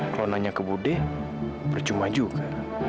kalau nanya ke budi percuma juga